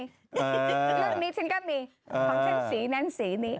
เรื่องนี้ฉันก็มีของฉันสีนั้นสีนี้